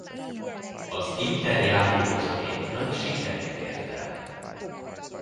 Az Inter játékosaként nagy sikereket ért el.